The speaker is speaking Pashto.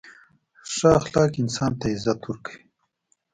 • ښه اخلاق انسان ته عزت ورکوي.